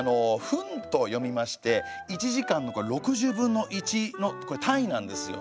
「ふん」と読みまして１時間の６０分の１の単位なんですよね。